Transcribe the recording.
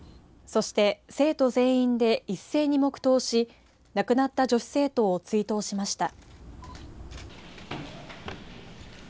そして生徒全員で一斉に黙とうし亡くなった女子生徒を追悼しました。